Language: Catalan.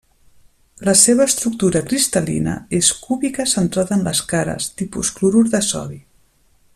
La seva estructura cristal·lina és cúbica centrada en les cares, tipus clorur de sodi.